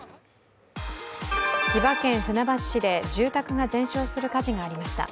千葉県船橋市で住宅が全焼する火事がありました。